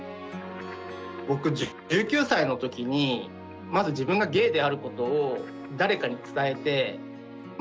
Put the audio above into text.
僕１９歳の時にまず自分がゲイであることを誰かに伝えてまあ